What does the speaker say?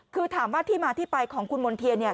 คือถามว่าที่มาที่ไปของคุณมณ์เทียนเนี่ย